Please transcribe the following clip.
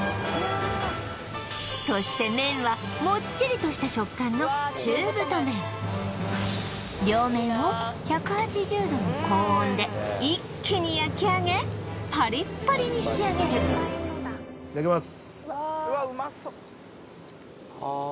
そして麺はもっちりとした食感の中太麺両面を１８０℃の高温で一気に焼き上げパリッパリに仕上げるいただきます